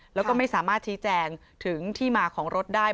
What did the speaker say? แล้วก็ไม่สามารถชี้แจงถึงที่มาของรถได้